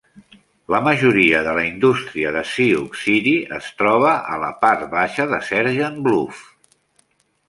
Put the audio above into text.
La majoria de la indústria de Sioux City es troba a la part baixa de Sergeant Bluff.